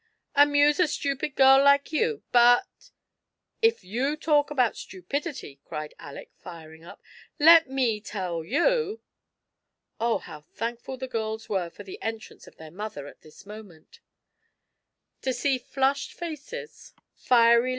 "Amuse a stupid girl like you ; but" —" If you talk about stupidity," cried Aleck, firing up, " let me tell you "— Oh, how thankftd the girls were for the entrance of their mother at this moment 1 To see flushed faces, fiery 24 FIRST IMPRESSIONS.